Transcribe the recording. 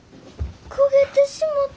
焦げてしもた。